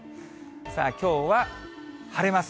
きょうは晴れます。